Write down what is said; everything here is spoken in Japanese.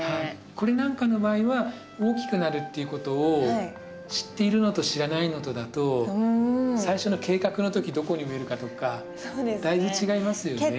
これなんかの場合は大きくなるっていうことを知っているのと知らないのとだと最初の計画の時どこに植えるかとかだいぶ違いますよね。